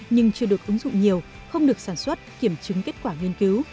nhưng chưa được ứng dụng nhiều không được sản xuất kiểm chứng kết quả nghiên cứu